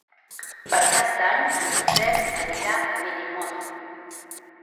Per Cap d'Any en Josep anirà a Benimodo.